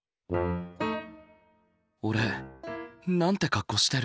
俺なんて格好してるんだろう。